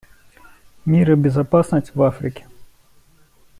Мир и безопасность в Африке.